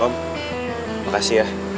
bah mohon om makasih ya